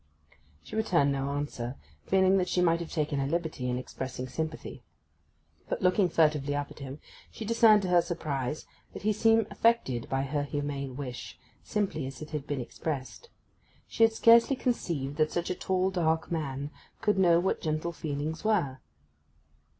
She returned no answer, feeling that she might have taken a liberty in expressing sympathy. But, looking furtively up at him, she discerned to her surprise that he seemed affected by her humane wish, simply as it had been expressed. She had scarcely conceived that such a tall dark man could know what gentle feelings were.